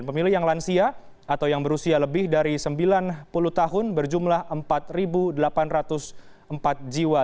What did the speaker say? dan pemilih yang lansia atau yang berusia lebih dari sembilan puluh tahun berjumlah empat delapan ratus empat jiwa